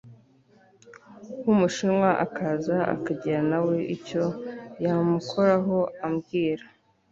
wumushinwa akaza akagira nawe icyo yamukoraho ambwira